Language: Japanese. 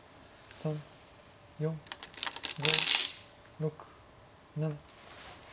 ３４５６７。